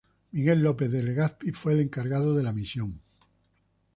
Miguel López de Legazpi fue el encargado de la misión.